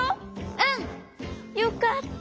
うん！よかった！